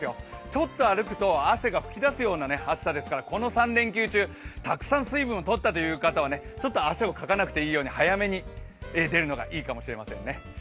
ちょっと歩くと汗が吹き出すような暑さですからこの３連休中たくさん水分をとったという方は汗をかかなくていいように早めに出るのがいいかもしれませんね。